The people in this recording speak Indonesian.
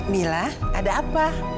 mila ada apa